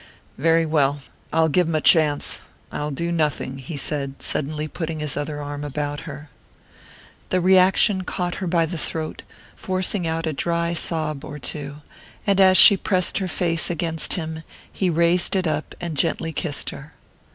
"Very well I'll give him a chance I'll do nothing," he said, suddenly putting his other arm about her. The reaction caught her by the throat, forcing out a dry sob or two; and as she pressed her face against him he raised it up and gently kissed her.